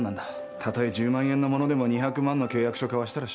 たとえ１０万円の物でも２００万の契約書交わしたらしょうがない。